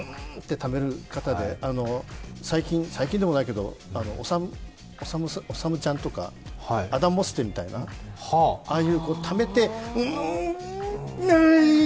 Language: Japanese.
ためる方で、最近の方じゃないんですけどおさむちゃんとかアダモステンみたいなああいうためて、うんうん！